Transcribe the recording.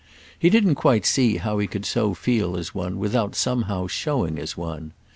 He didn't quite see how he could so feel as one without somehow showing as one.